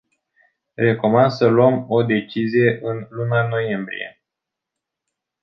Recomand să luăm o decizie în luna noiembrie.